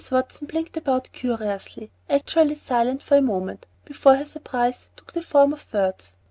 Watson blinked about curiously, actually silent for a moment, before her surprise took the form of words.